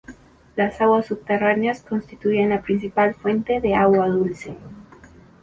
Las aguas subterráneas constituyen la principal fuente de agua dulce.